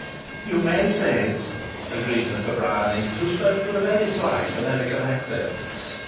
"You may say it!" agreed Mr. Bryany, who spoke with a very slight American accent.